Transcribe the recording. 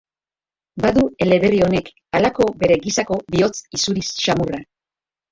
Badu eleberri honek halako bere gisako bihotz isuri xamurra.